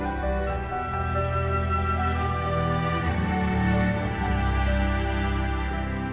yang takimem kerajaan